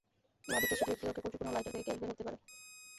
বাঁ দিকের শেডের একটি কক্ষে ত্রুটিপূর্ণ লাইটার থেকে গ্যাস বের করা হতো।